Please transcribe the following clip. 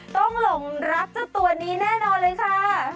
ต้องหลงรักเจ้าตัวนี้แน่นอนเลยค่ะ